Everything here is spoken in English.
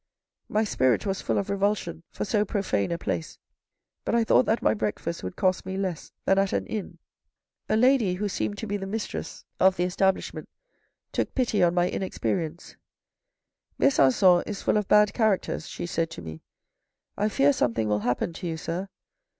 My spirit was full of revulsion for so profane a place, but I thought that my breakfast would cost me less than at an inn. A lady, who seemed to be the mistress of the THE WORLD, OR WHAT THE RICH LACK 191 establishment, took pity on my inexperience. ' Besan^on is full of bad characters,' she said to me. ' I fear something will happen to you, sir.